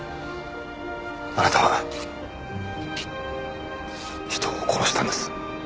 あなたは人を殺したんです。